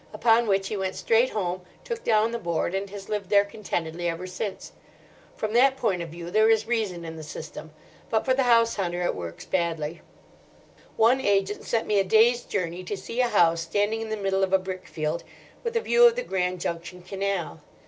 Upon which he went straight home, took down the board, and has lived there contentedly ever since. From that point of view there is reason in the system; but for the house hunter it works badly. "One agent sent me a day's journey to see a house standing in the middle of a brickfield, with a view of the Grand Junction Canal.